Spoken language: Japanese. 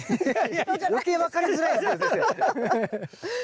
余計分かりづらいですから先生。